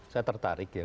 saya tertarik ya